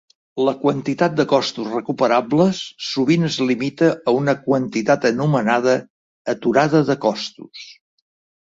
La quantitat de costos recuperables sovint es limita a una quantitat anomenada "aturada de costos".